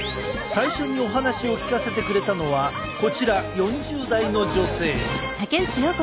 最初にお話を聞かせてくれたのはこちら４０代の女性。